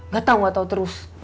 gak tau gak tau terus